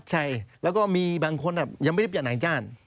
ใช่แล้วก็มีบางคนยังไม่ได้เปลี่ยนหนังจ้าน